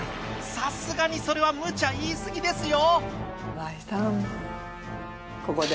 さすがにそれはむちゃ言い過ぎですよ。